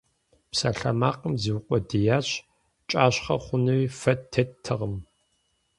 Псалъэмакъым зиукъуэдиящ, кӀащхъэ хъунуи фэ теттэкъым.